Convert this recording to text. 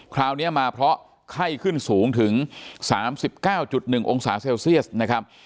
คราวนี้มาเพราะไข้ขึ้นสูงถึง๓๙๑องศาเซลเซียสนะครับ